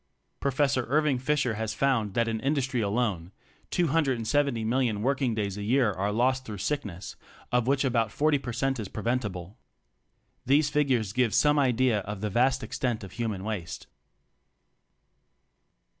Professor Irving Fisher has found that in industry alone, 270,000,000 working days a year are lost through sickness, of which about 40 per cent is preventible. These figures give some idea of the vast extent of human waste.